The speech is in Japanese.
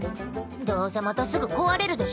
どうせまたすぐ壊れるでしょ。